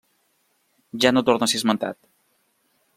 Ja no torna a ser esmentat.